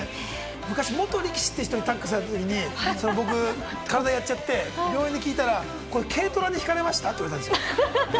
昔、元力士って人にタックルされたときに、僕、体やっちゃって病院で聞いたら、軽トラにひかれました？って言われたんですよ。